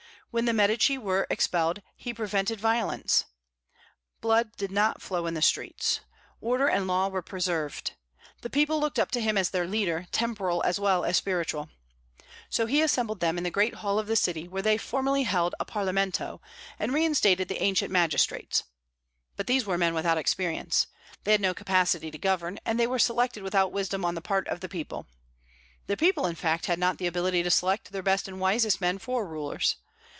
When the Medici were expelled, he prevented violence; blood did not flow in the streets; order and law were preserved. The people looked up to him as their leader, temporal as well as spiritual. So he assembled them in the great hall of the city, where they formally held a parlemento, and reinstated the ancient magistrates. But these were men without experience. They had no capacity to govern, and they were selected without wisdom on the part of the people. The people, in fact, had not the ability to select their best and wisest men for rulers.